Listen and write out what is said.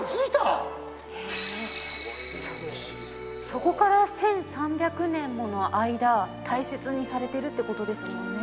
そこから１３００年もの間大切にされてるって事ですもんね。